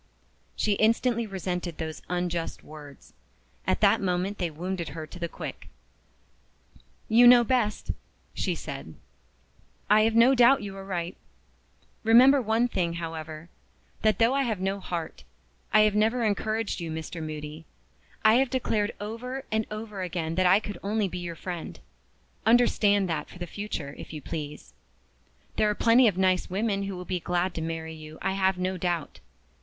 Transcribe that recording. She instantly resented those unjust words. At that moment they wounded her to the quick. "You know best," she said. "I have no doubt you are right. Remember one thing, however, that though I have no heart, I have never encouraged you, Mr. Moody. I have declared over and over again that I could only be your friend. Understand that for the future, if you please. There are plenty of nice women who will be glad to marry you, I have no doubt.